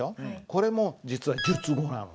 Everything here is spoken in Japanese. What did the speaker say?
これも実は述語なのね。